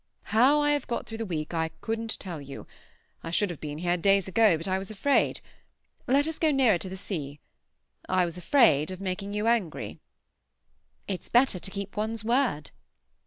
"How I have got through the week I couldn't tell you. I should have been here days ago, but I was afraid. Let us go nearer to the sea. I was afraid of making you angry." "It's better to keep one's word."